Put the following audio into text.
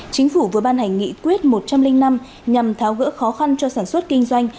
chính phủ vừa ban hành nghị quyết một trăm linh năm nhằm tháo gỡ khó khăn cho sản xuất kinh doanh